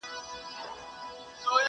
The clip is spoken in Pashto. هره ورځ لا جرګې کېږي د مېږیانو!!